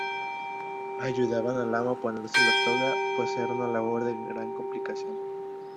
Ayudaban al amo a ponerse la toga, pues era una labor de gran complicación.